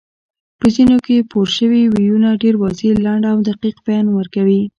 په ځینو کې پورشوي ویونه ډېر واضح، لنډ او دقیق بیان ورکوي